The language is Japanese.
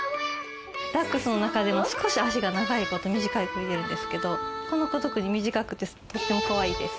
ダックスの中でも少し脚が長い子と短い子いるんですけどこの子特に短くてとってもカワイイです。